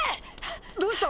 どうした？